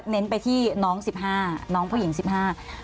เน้นไปที่น้องสาวหรือพี่สาว๑๕